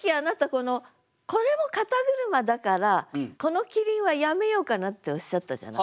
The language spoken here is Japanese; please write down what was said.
このこれも「肩車」だからこの「キリン」はやめようかなっておっしゃったじゃない。